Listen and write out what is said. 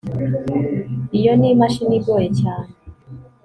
iyo ni imashini igoye cyane